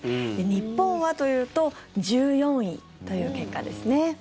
日本はというと１４位という結果ですね。